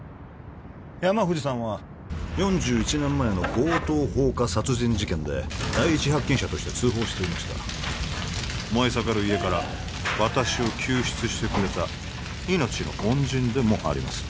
山藤さんは４１年前の強盗放火殺人事件で第一発見者として通報していました燃え盛る家から私を救出してくれた命の恩人でもあります